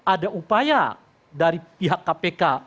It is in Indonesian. ada upaya dari pihak kpk